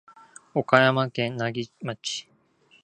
岡山県奈義町